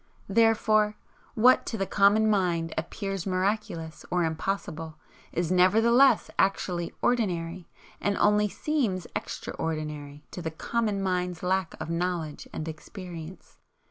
Therefore, what to the common mind appears miraculous or impossible, is nevertheless actually ordinary, and only seems EXTRA ordinary to the common mind's lack of knowledge and experience.